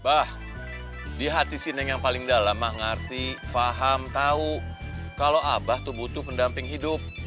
bah di hati sineng yang paling dalam mengerti paham tahu kalau abah tubuh pendamping hidup